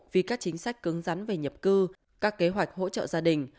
vì các chính sách cứng rắn về nhập cư các kế hoạch hỗ trợ gia đình